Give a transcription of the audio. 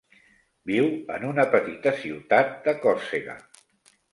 Viu en una petita ciutat de Còrsega.